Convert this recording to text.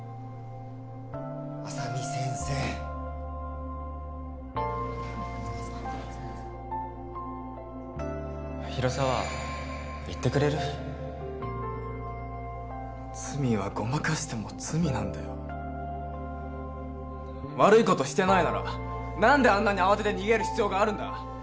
・浅見先生広沢行ってくれる？罪はごまかしても罪なんだよ悪いことしてないならなんであんなに慌てて逃げる必要があるんだ